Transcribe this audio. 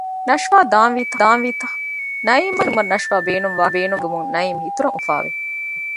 ނަޝް ދާންވީ ތަ؟ ނައީމްއަށް އެހީވެދިނުމަށް ނަޝްވާ ބޭނުންވާކަން އެނގުމުން ނައީމް އިތުރަށް އުފާވި